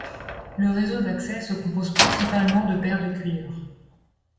Le réseau d'accès se compose principalement de paires de cuivre.